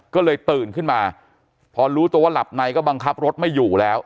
ก็เลยตื่นขึ้นมาพอรู้ตัวว่าหลับในก็บังคับรถไม่อยู่แล้ว